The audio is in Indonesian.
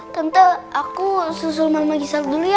tante aku susul mama gisa dulu ya